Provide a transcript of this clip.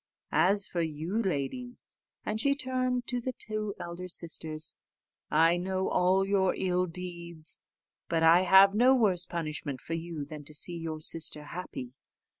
As for you, ladies," and she turned to the two elder sisters, "I know all your ill deeds, but I have no worse punishment for you than to see your sister happy.